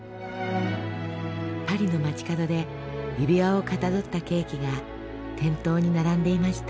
パリの街角で指輪をかたどったケーキが店頭に並んでいました。